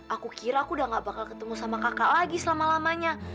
aku kira aku udah gak bakal ketemu sama kakak lagi selama lamanya